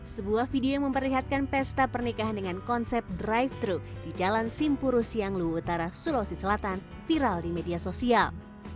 sebuah video yang memperlihatkan pesta pernikahan dengan konsep drive thru di jalan simpuru siang luhut utara sulawesi selatan viral di media sosial